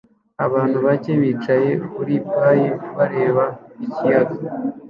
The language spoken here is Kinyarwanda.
Abantu bake bicaye kuri pir bareba ikiyaga